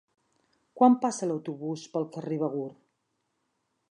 Quan passa l'autobús pel carrer Begur?